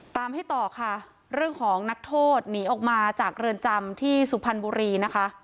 ตามให้ต่อค่ะเรื่องของนักโทษหนีออกมาจากเรือนจำที่สุพรรณบุรีนะคะ